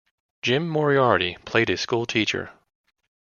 Jim Moriarty played a school teacher.